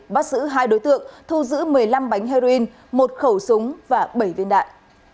bắt giữ hai đối tượng thu giữ một mươi năm bánh heroin một khẩu súng và bảy viên đạn